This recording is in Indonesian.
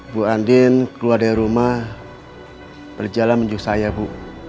bu andin keluar dari rumah berjalan menuju saya bu